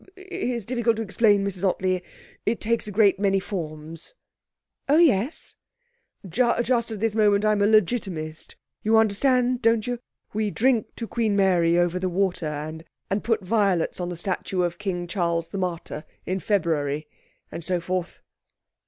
'It's difficult to explain, Mrs Ottley. It takes a great many forms.' 'Oh, yes.' 'Just at this moment I'm a Legitimist you understand, don't you? We drink to Queen Mary over the water and put violets on the statue of King Charles the Martyr in February, and so forth.'